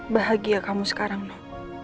bahagia kamu sekarang nob